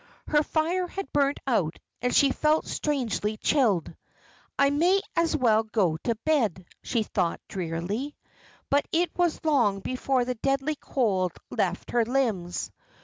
Her fire had burnt out, and she felt strangely chilled. "I may as well go to bed," she thought, drearily; but it was long before the deadly cold left her limbs.